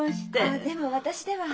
あっでも私では。